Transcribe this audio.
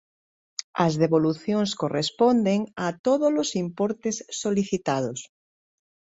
As devolucións corresponden a tódolos importes solicitados.